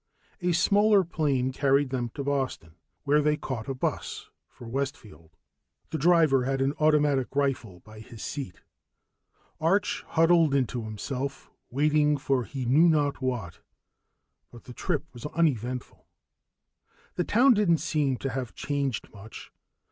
_ A smaller plane carried them to Boston, where they caught a bus for Westfield. The driver had an automatic rifle by his seat. Arch huddled into himself, waiting for he knew not what; but the trip was uneventful. The town didn't seem to have changed much.